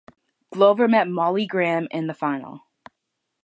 Glover met Molly Graham in the final.